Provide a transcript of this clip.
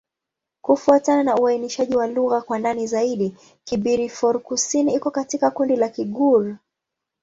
Kufuatana na uainishaji wa lugha kwa ndani zaidi, Kibirifor-Kusini iko katika kundi la Kigur.